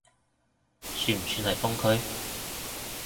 算唔算係封區？